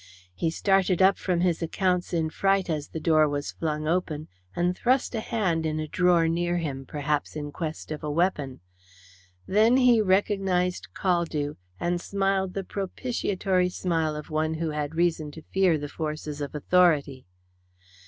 He started up from his accounts in fright as the door was flung open, and thrust a hand in a drawer near him, perhaps in quest of a weapon. Then he recognized Caldew, and smiled the propitiatory smile of one who had reason to fear the forces of authority.